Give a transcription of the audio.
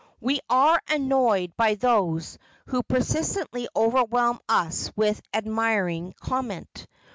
We are annoyed by those who persistently overwhelm us with admiring comment.